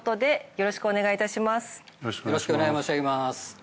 よろしくお願い申し上げます。